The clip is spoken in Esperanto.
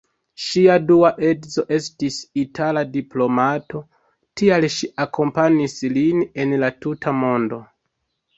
Ŝia dua edzo estis itala diplomato, tial ŝi akompanis lin en la tuta mondo.